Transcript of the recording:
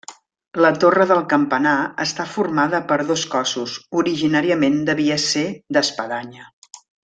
La torre del campanar està formada per dos cossos, originàriament devia ser d'espadanya.